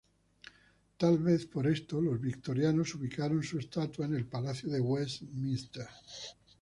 Tal vez por esto los victorianos ubicaron su estatua en el Palacio de Westminster.